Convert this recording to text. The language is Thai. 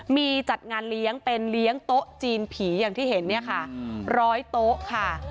มีจัดงานเลี้ยงเป็นเลี้ยงโต๊ะจีนผีอย่างที่เห็นเนี่ยค่ะร้อยโต๊ะค่ะ